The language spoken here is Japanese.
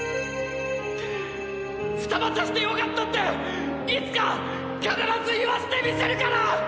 二股してよかったっていつか必ず言わせてみせるから！